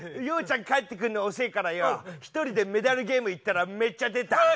洋ちゃん帰ってくんの遅えからよ１人でメダルゲーム行ったらめっちゃ出た。